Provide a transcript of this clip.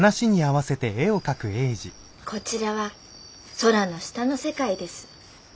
「こちらは空の下の世界です。